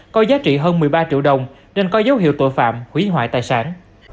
có giá trị hơn một mươi ba triệu đồng nên có dấu hiệu tội phạm hủy hoại tài sản